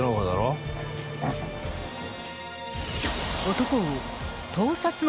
［男を］